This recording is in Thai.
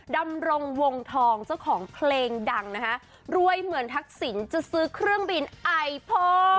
ดำรงวงทองเจ้าของเพลงดังนะคะรวยเหมือนทักษิณจะซื้อเครื่องบินไอพ่อ